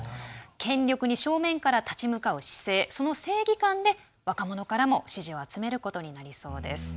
権力に正面から立ち向かう姿勢その正義感で若者からも支持を集めることになりそうです。